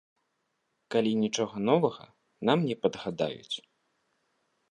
Калі нічога новага нам не падгадаюць.